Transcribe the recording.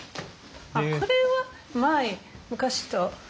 あっこれは前昔と。